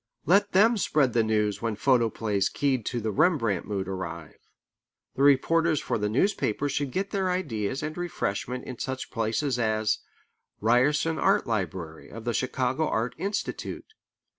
Let them spread the news when photoplays keyed to the Rembrandt mood arrive. The reporters for the newspapers should get their ideas and refreshment in such places as the Ryerson Art Library of the Chicago Art Institute.